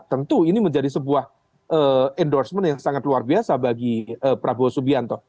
tentu ini menjadi sebuah endorsement yang sangat luar biasa bagi prabowo subianto